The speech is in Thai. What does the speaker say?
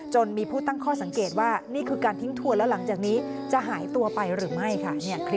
มีผู้ตั้งข้อสังเกตว่านี่คือการทิ้งทัวร์แล้วหลังจากนี้จะหายตัวไปหรือไม่ค่ะ